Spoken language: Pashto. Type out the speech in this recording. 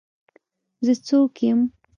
زه څوک يم.